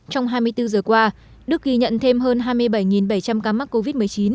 trong hai mươi bốn giờ qua đức ghi nhận thêm hơn hai mươi bảy bảy trăm linh ca mắc covid một mươi chín